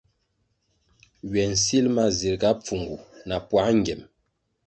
Ywe nsil ma zirga pfungu na puā ngyem.